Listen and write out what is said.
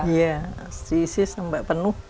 iya diisi sampai penuh